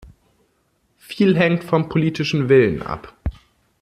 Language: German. Viel hängt vom politischen Willen ab.